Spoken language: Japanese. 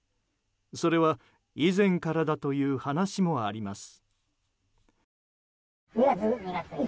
それは、以前からだという話もあります。